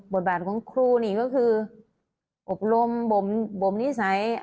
บทบาทของครูนี่ก็คืออบรมบ่มนิสัย